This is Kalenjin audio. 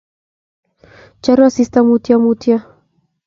choru asista mutyomutyo